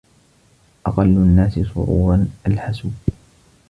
أقل الناس سروراً الحسود